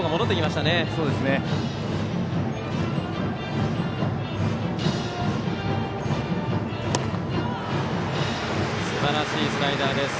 すばらしいスライダーです。